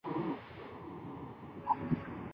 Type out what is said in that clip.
安德罗斯对新英格兰的统治极其不得人心。